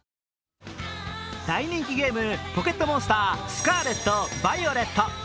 大人気ゲーム「ポケットモンスタースカーレット・バイオレット」。